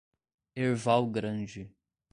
Erval Grande